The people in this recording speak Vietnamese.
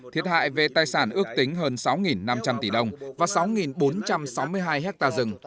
thiệt hại về tài sản ước tính hơn sáu năm trăm linh tỷ đồng và sáu bốn trăm sáu mươi hai hectare rừng